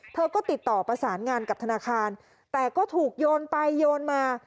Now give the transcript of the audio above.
เธอก็ติดต่อประสานงานกับธนาคารแต่ก็ถูกโยนไปโยนมา